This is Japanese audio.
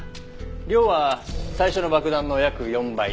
量は最初の爆弾の約４倍。